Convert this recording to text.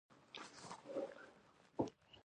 د مولی ګل د څه لپاره وکاروم؟